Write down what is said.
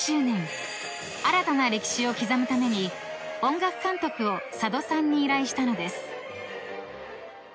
［新たな歴史を刻むために音楽監督を佐渡さんに依頼したのです］